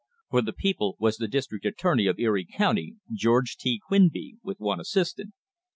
For the people was the district attorney of Erie County, George T. Quinby, with one assist ant.